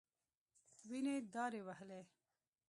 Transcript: وينې دارې وهلې.